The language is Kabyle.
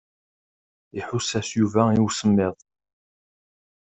Iḥuss-as Yuba i usemmiḍ.